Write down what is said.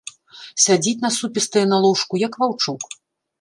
Сядзіць насупістая на ложку, як ваўчок.